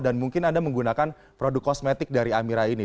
dan mungkin anda menggunakan produk kosmetik dari amira ini